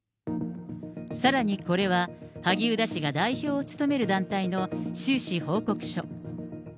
さらにこれは、萩生田氏が代表を務める団体の収支報告書。